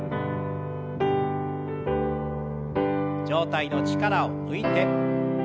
上体の力を抜いて。